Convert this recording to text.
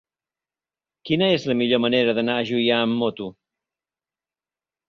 Quina és la millor manera d'anar a Juià amb moto?